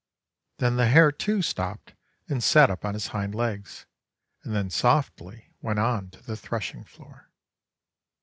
Then the hare, too, stopped and sat up on his hind legs, and then softly went on to the threshing floor.